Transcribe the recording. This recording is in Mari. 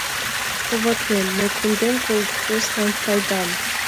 Товатлем, мый кондем колхозлан пайдам.